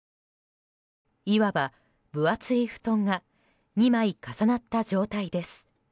いわば分厚い布団が２枚重なった状態です。